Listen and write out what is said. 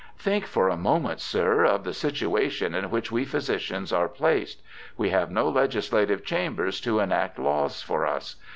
'Think for a moment, sir, of the situation in which we physicians are placed. We have no legislative chambers to enact laws for us.